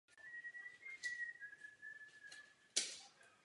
Poté zde bylo zřízeno moderní sanatorium.